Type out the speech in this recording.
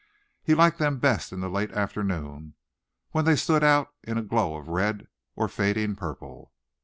He liked them best in the late afternoon when they stood out in a glow of red or fading purple.